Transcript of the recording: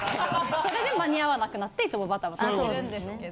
それで間に合わなくなっていつもバタバタしてるんですけど。